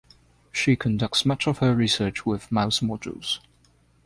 She conducts much of her research with mouse models.